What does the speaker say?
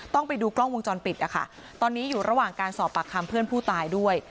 ต้องไปดูกล้องวงจรปิดนะคะตอนนี้อยู่ระหว่างการสอบปากคำเพื่อนผู้ตายด้วย